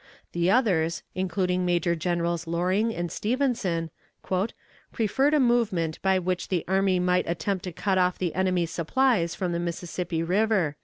The others, including Major Generals Loring and Stevenson, "preferred a movement by which the army might attempt to cut off the enemy's supplies from the Mississippi River."